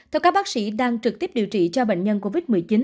theo các bác sĩ đang trực tiếp điều trị cho bệnh nhân covid một mươi chín